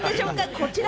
こちら！